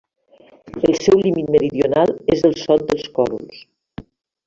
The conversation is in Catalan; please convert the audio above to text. El seu límit meridional és el Sot dels Còdols.